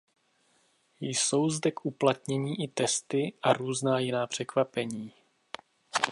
Jsou zde k uplatnění i testy a různá jiná překvapení.